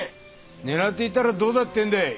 狙っていたらどうだってんだい。